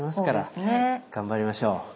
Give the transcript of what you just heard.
頑張りましょう。